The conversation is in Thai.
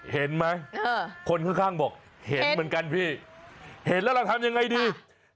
เห็นแล้วเราทำยังไรดี